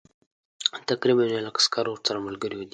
تقریبا یو لک عسکر ورسره ملګري دي.